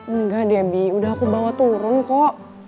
enggak deh bi udah aku bawa turun kok